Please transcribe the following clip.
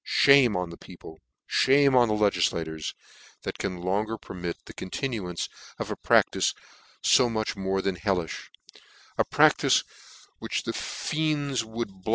Shame on the peo ple ! Shame on the legiflators ! tnat can longer permit the continuance of a practice fo much more than helliih : a practice which fiends would blufb PHILIP ROCHE for Piracy.